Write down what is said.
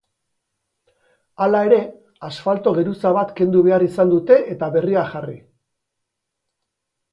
Hala ere, asfalto geruza bat kendu behar izan dute eta berria jarri.